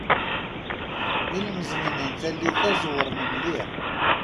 Ilmeẓiyen n tallit-a ẓewṛen mliḥ.